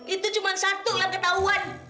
itu cuma satu yang ketahuan